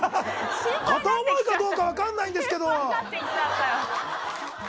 片思いかどうか分からないんですけど！